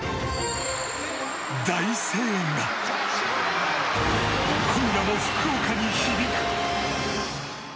大声援が、今夜も福岡に響く！